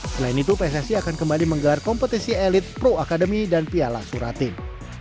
selain itu pssi akan kembali menggelar kompetisi elit pro akademi dan piala suratin